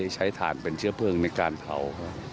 ใช้ถ่านเป็นเชื้อเพลิงในการเผา